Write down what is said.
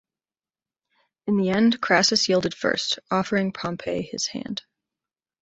In the end Crassus yielded first, offering Pompey his hand.